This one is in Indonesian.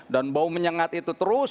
dan bau menyengat itu terus